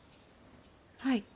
はい。